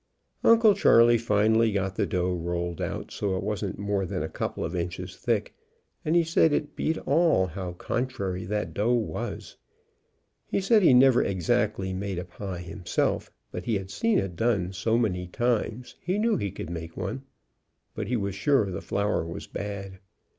Uncle Charley finally got the dough rolled out so it wasn't more than a couple of inches thick, and he said it beat all how contrary that dough was He said he never exactly made a pie himself, but he had seen it done so many times he 142 HOW UNCLE CHARLEY MADE AN APPLE PIE knew he could make one, but he was sure the flour was bad.